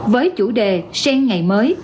với chủ đề sen ngày mới